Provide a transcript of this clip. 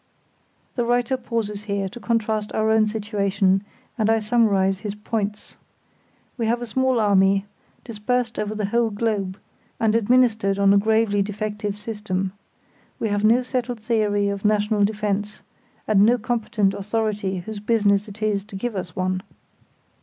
The writer pauses here to contrast our own situation, and I summarise his points. We have a small army, dispersed over the whole globe, and administered on a gravely defective system. We have no settled theory of national defence, and no competent authority whose business it is to give us one.